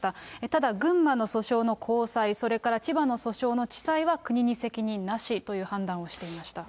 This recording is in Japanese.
ただ群馬の訴訟の高裁、それから千葉の訴訟の地裁は、国に責任なしという判断をしていました。